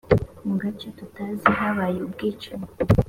mugace tutazi habaye ubwicanyi.